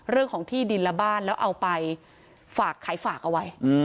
เรื่องของที่ดินละบ้านแล้วเอาไปฝากขายฝากเอาไว้